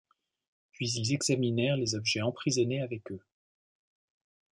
Puis ils examinèrent les objets emprisonnés avec eux.